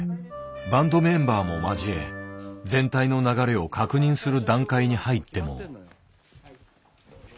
バンドメンバーも交え全体の流れを確認する段階に入っても。